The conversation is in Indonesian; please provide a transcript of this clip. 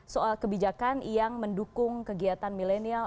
soal kebijakan yang mendukung kegiatan milenial